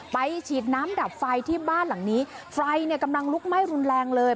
ฉีดน้ำดับไฟที่บ้านหลังนี้ไฟเนี่ยกำลังลุกไหม้รุนแรงเลย